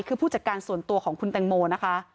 คือผู้จัดการส่วนตัวของคุณแตงโมนะคะ